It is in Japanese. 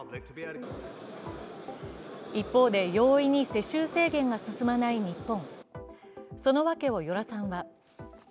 一方で容易に世襲制限が進まない日本。